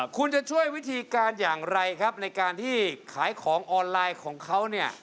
คุณจะช่วยวิธีการอย่างไรครับในการที่ขายของออนไลน์ของเขาเนี่ย